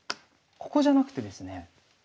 ここじゃなくてですね